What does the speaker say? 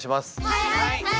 はい！